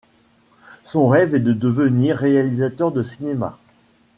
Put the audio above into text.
Son rêve est de devenir réalisateur de cinéma.